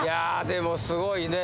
でもすごいね。